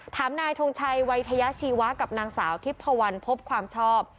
นายทงชัยวัยทยาชีวะกับนางสาวทิพพวันพบความชอบ